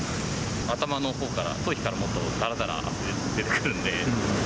頭のほうから、頭皮からもっとだらだら汗出てくるんで。